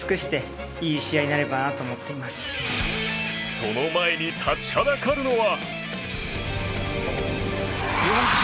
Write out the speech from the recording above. その前に立ちはだかるのは。